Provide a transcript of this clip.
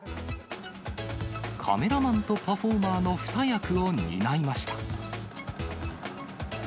カメラマンとパフォーマーの２役を担いました。